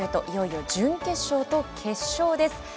いよいよ準決勝と決勝です。